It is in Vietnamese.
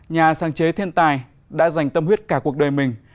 nhà sáng chế thiên tài đã dành tâm huyết cả cuộc đời mình